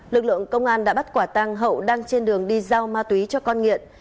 lực lượng công an đã bắt quả tang hậu đang trên đường đi giao ma túy cho con nghiện